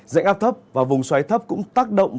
dạnh áp thấp và vùng xoáy thấp cũng tác động